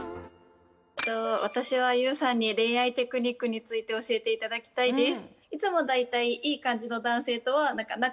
私はＹＯＵさんに恋愛テクニックについて教えていただきたいです